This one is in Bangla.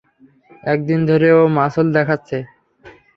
এক দিন ধরে ও মাসল দেখাচ্ছে।